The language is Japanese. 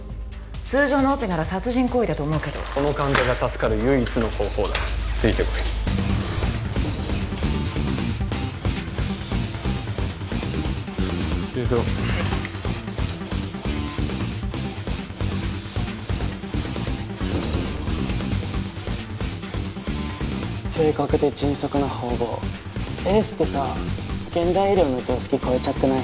通常のオペなら殺人行為だと思うけどこの患者が助かる唯一の方法だついてこい１０−０はい正確で迅速な縫合エースってさ現代医療の常識超えちゃってない？